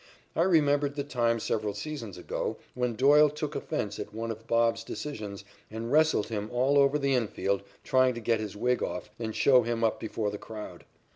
I remembered the time several seasons ago when Doyle took offence at one of "Bob's" decisions and wrestled him all over the infield trying to get his wig off and show him up before the crowd.